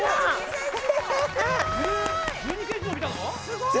すごい！